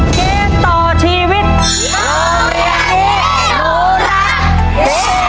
เกมต่อชีวิตโลกอย่างงี้หมูรักเย้